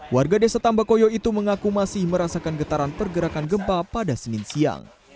warga desa tambakoyo itu mengaku masih merasakan getaran pergerakan gempa pada senin siang